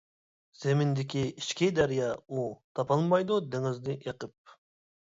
زېمىندىكى ئىچكى دەريا ئۇ تاپالمايدۇ دېڭىزنى ئېقىپ.